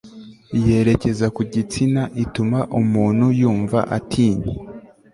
yerekeza ku gitsina ituma umuntu yumva atinye